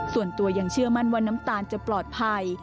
ส่วนตัวยังเชื่อมั่นว่าน้ำตาลจะปลอดภัย